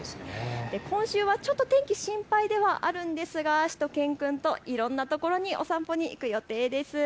今週はちょっと天気、心配ではありますがしゅと犬くんといろんなところにお散歩に行く予定です。